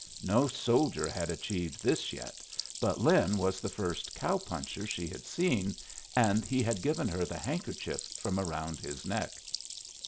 No soldier had achieved this yet, but Lin was the first cow puncher she had seen, and he had given her the handkerchief from round his neck.